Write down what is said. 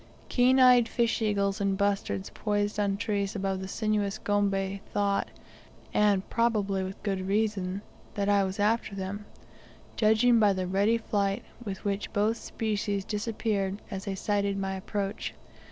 Keen eyed fish eagles and bustards poised on trees above the sinuous Gombe thought, and probably with good reason that I was after them; judging by the ready flight with which both species disappeared as they sighted my approach.